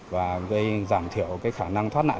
và gây giảm thiểu cái khả năng thoát nạn